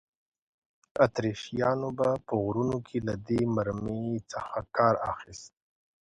اتریشیانو به په غرونو کې له دې مرمۍ څخه کار اخیست.